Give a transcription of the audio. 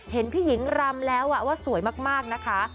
เห็นพี่หญิงรำแล้วว่าสวยมากนะคะ